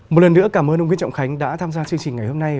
một lần nữa cảm ơn ông quýt trọng khánh đã tham gia chương trình ngày hôm nay